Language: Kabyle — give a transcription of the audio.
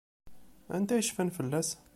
Anta i yecfan fell-as?